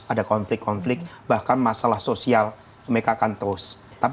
ada konflik konflik bahkan masalah sosial mereka akan terus